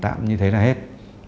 tạm như thế là hết